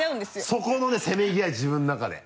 そこのせめぎ合い自分の中で。